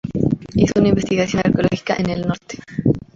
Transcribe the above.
Hizo investigaciones arqueológicas en el norte.